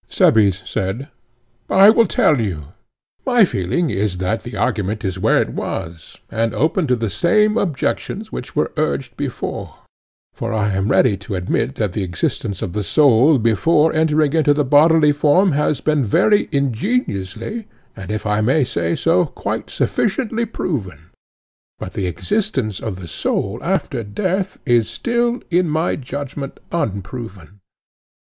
Cebes said: I will tell you. My feeling is that the argument is where it was, and open to the same objections which were urged before; for I am ready to admit that the existence of the soul before entering into the bodily form has been very ingeniously, and, if I may say so, quite sufficiently proven; but the existence of the soul after death is still, in my judgment, unproven.